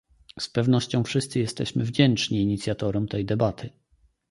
Z pewnością wszyscy jesteśmy wdzięczni inicjatorom tej debaty